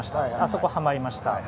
そこがはまりました。